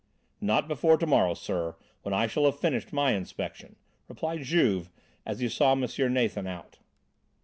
"Not before to morrow, sir, when I shall have finished my inspection," replied Juve, as he saw M. Nathan out.